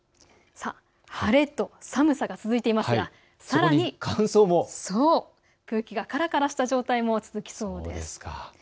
晴れと寒さが続いていますがさらに乾燥も空気がからからした状態も続きそうなんです。